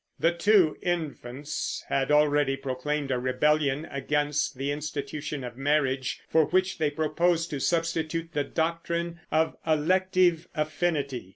The two infants had already proclaimed a rebellion against the institution of marriage, for which they proposed to substitute the doctrine of elective affinity.